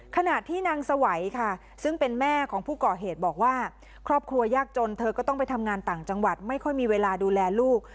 ขณะที่นางสวัยค่ะซึ่งเป็นแม่ของผู้ก่อเหตุบอกว่าครอบครัวยากจนเธอก็ต้องไปทำงานต่างจังหวัดไม่ค่อยมีเวลาดูแลลูก